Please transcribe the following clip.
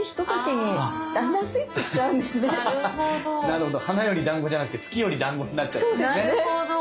なるほど花よりだんごじゃなくて月よりだんごになっちゃうんですね。